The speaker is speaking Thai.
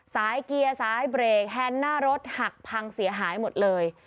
เกียร์สายเบรกแฮนด์หน้ารถหักพังเสียหายหมดเลย